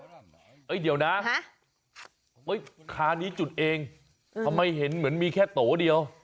เฮ้ยเดี๋ยวนะคานี้จุดเองเค้าไม่เห็นเหมือนมีแค่ตัวเดียว